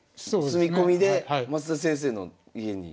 住み込みで升田先生の家に。